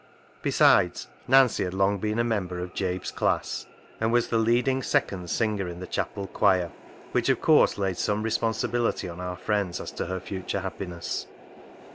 Besides, Nancy had long been a member of Jabe's class, and was the leading " seconds " singer in the chapel choir, which, of course, laid some responsibility on our friends as to her future happiness.